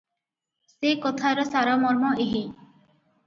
ସେ କଥାର ସାରମର୍ମ ଏହି -